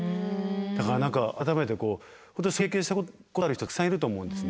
だから何か改めて本当にそういう経験したことある人ってたくさんいると思うんですね。